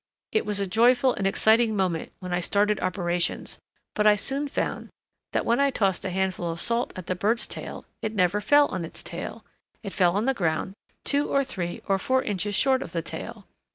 It was a joyful and exciting moment when I started operations, but I soon found that when I tossed a handful of salt at the bird's tail it never fell on its tail it fell on the ground two or three or four inches short of the tail.